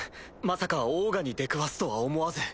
まさかオーガに出くわすとは思わず。